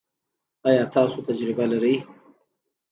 ایا تاسو تجربه لرئ؟